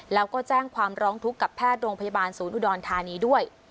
แล้วก็แจ้งความร้องทุกข์กับแพทย์โรงพยาบาลศูนย์อุดรธานีด้วย